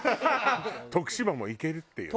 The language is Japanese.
徳島もいけるっていうね。